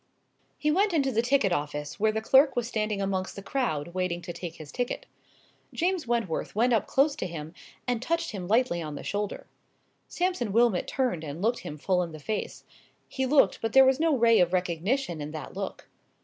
He went into the ticket office, where the clerk was standing amongst the crowd, waiting to take his ticket. James Wentworth went up close to him, and touched him lightly on the shoulder. Sampson Wilmot turned and looked him full in the face. He looked, but there was no ray of recognition in that look.